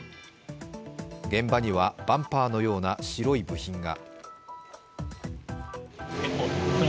現場にはバンパーのような白い部品が。